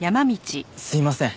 すいません。